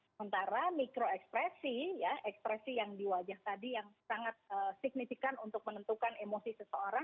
sementara mikro ekspresi ya ekspresi yang di wajah tadi yang sangat signifikan untuk menentukan emosi seseorang